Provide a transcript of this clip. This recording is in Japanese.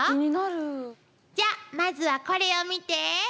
じゃまずはこれを見て。